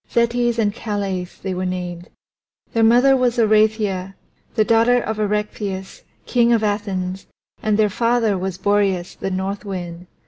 Zetes and Calais they were named; their mother was Oreithyia, the daughter of Erechtheus, King of Athens, and their father was Boreas, the North Wind.